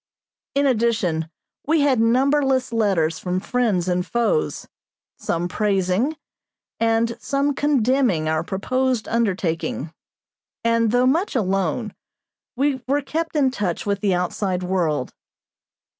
In addition we had numberless letters from friends and foes, some praising and some condemning our proposed undertaking, and, though much alone, we were kept in touch with the outside world.